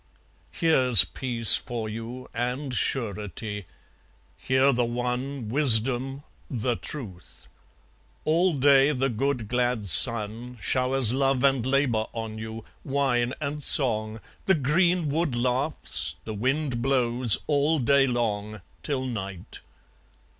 Here's peace for you, and surety; here the one Wisdom the truth! "All day the good glad sun Showers love and labour on you, wine and song; The greenwood laughs, the wind blows, all day long Till night."